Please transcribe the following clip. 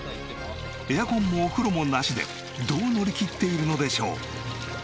エアコンもお風呂もなしでどう乗りきっているのでしょう？